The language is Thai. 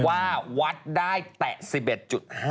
วาดวัดได้แต่๑๑๕เมตร